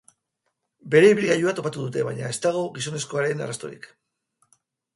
Bere ibilgailua topatu dute, baina ez dago gizonezkoaren arrastorik.